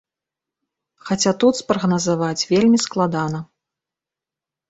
Хаця тут спрагназаваць вельмі складана.